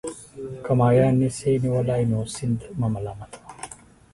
که ماهيان نسې نيولى، نو سيند مه ملامت وه.